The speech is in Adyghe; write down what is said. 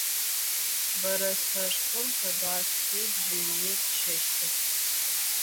Бэрэскэшхом къэбаскъи бжьыни тщэщтых.